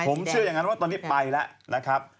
ผมเชื่ออย่างนั้นว่าตอนนี้ไปแล้วนะครับ